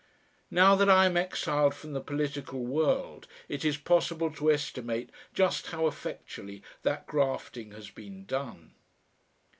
Now that I am exiled from the political world, it is possible to estimate just how effectually that grafting has been done.